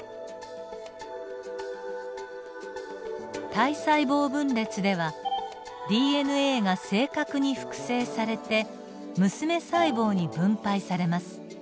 体細胞分裂ではＤＮＡが正確に複製されて娘細胞に分配されます。